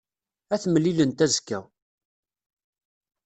Ad t-mlilent azekka.